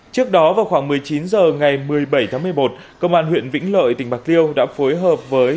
trước đó vào khoảng một mươi chín h ngày một mươi bảy tháng một mươi một công an huyện vĩnh lợi tỉnh bạc liêu đã phối hợp với